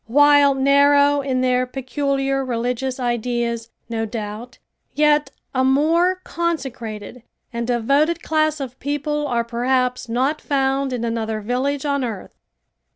While narrow in their peculiar religious ideas, no doubt, yet a more consecrated and devoted class of people are perhaps not found in another village on earth.